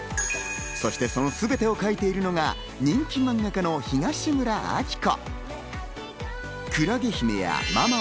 そしてその全てを描いているのが人気漫画家の東村アキコ。